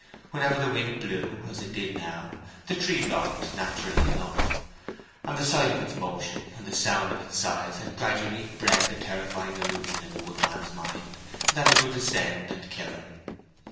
Whenever the wind blew, as it did now, the tree rocked, naturally enough; and the sight of its motion and sound of its sighs had gradually bred the terrifying illusion in the woodman's mind that it would descend and kill him.